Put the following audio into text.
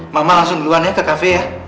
mama langsung duluan ya ke cafe ya